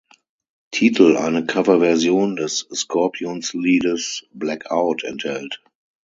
Titel eine Coverversion des Scorpions-Liedes „Blackout“ enthält.